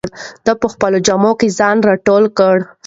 ده په خپلو جامو کې ځان راټول کړ.